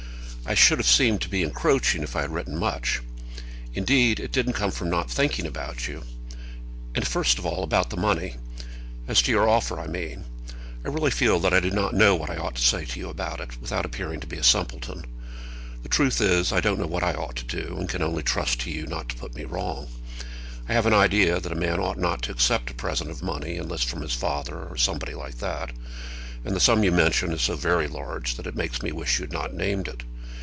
I should have seemed to be encroaching if I had written much. Indeed it didn't come from not thinking about you. And first of all, about the money, as to your offer, I mean. I really feel that I do not know what I ought to say to you about it, without appearing to be a simpleton. The truth is, I don't know what I ought to do, and can only trust to you not to put me wrong. I have an idea that a man ought not to accept a present of money, unless from his father, or somebody like that. And the sum you mention is so very large that it makes me wish you had not named it.